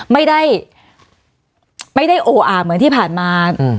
ไม่ได้ไม่ได้โออ่าเหมือนที่ผ่านมา